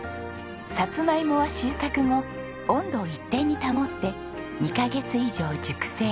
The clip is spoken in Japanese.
サツマイモは収穫後温度を一定に保って２カ月以上熟成。